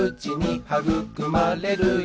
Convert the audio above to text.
「はぐくまれるよ